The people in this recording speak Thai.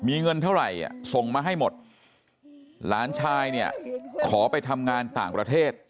มีเงินเท่าไหร่ส่งมาให้หมดหลานชายเนี่ยขอไปทำงานต่างประเทศ